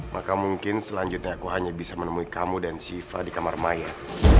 maka mungkin selanjutnya aku hanya bisa menemui kamu dan siva di kamar maya